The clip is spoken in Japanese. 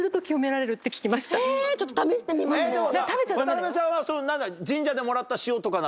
渡さんは神社でもらった塩とかなのか？